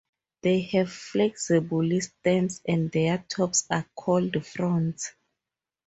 They have flexible stems and their tops are called fronds.